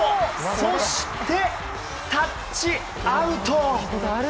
そして、タッチアウト。